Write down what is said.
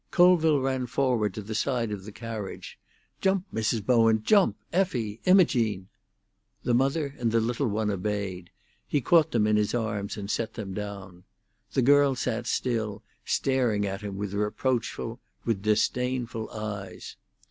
Colville ran forward to the side of the carriage. "Jump, Mrs. Bowen! jump, Effie! Imogene—" The mother and the little one obeyed. He caught them in his arms and set them down. The girl sat still, staring at him with reproachful, with disdainful eyes.